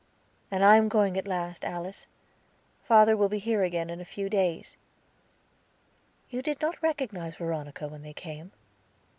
"And I am going at last, Alice; father will be here again in a few days." "You did not recognize Veronica, when they came."